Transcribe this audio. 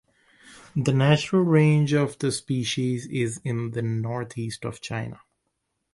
The natural range of the species is in the northeast of China.